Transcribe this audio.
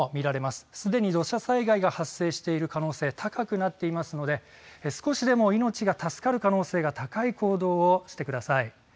すでに土砂災害が発生している可能性、高くなっていますので少しでも命が助かる可能性が高い行動をしてください。